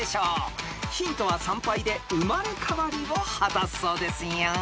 ［ヒントは参拝で生まれ変わりを果たすそうですよ］